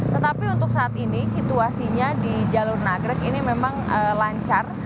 tetapi untuk saat ini situasinya di jalur nagrek ini memang lancar